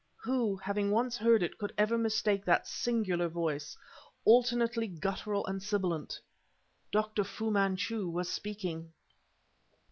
who, having once heard it, could ever mistake that singular voice, alternately guttural and sibilant! Dr. Fu Manchu was speaking!